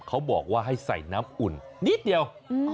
เขาบอกว่าให้ใส่น้ำอุ่นนิดเดียว